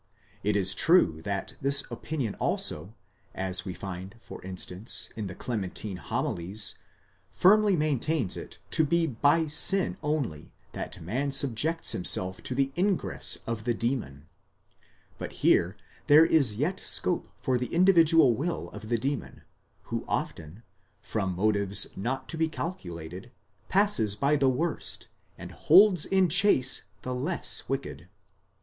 It is true that this opinion also, as we find for instance, in the Clementine Homilies, firmly maintains it to be by sin only that man subjects himself to the ingress of the demon ;*° but here there is yet scope for the individual will of the demon, who often, from motives not to be calculated, passes by the worst, and holds in chase the less wicked.